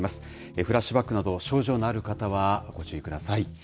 フラッシュバックなど、症状のある方はご注意ください。